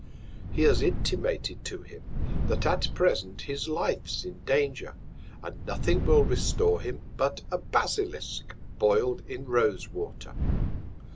He has intimated to him, that at present his Life's in Danger, and nothing will restore him but a Basilisk, boil'd in Rose Water.